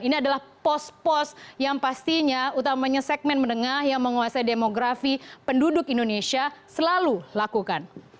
ini adalah pos pos yang pastinya utamanya segmen menengah yang menguasai demografi penduduk indonesia selalu lakukan